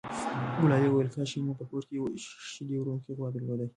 ګلالۍ وویل کاشکې مو په کور کې یوه شیدې ورکوونکې غوا درلودای.